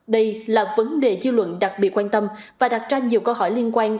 đây là vấn đề dư luận đặc biệt quan tâm và đặt ra nhiều câu hỏi liên quan